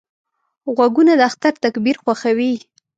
غوږونه د اختر تکبیر خوښوي